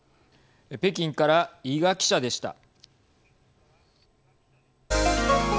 北京から伊賀記者でした。